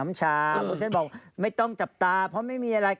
ไม่เอาแล้วเดี๋ยวโดนจำ